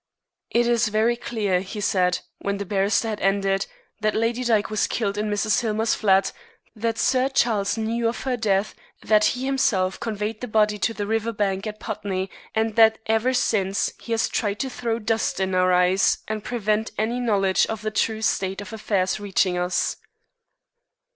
"It is very clear," he said, when the barrister had ended, "that Lady Dyke was killed in Mrs. Hillmer's flat, that Sir Charles knew of her death, that he himself conveyed the body to the river bank at Putney, and that ever since he has tried to throw dust in our eyes and prevent any knowledge of the true state of affairs reaching us."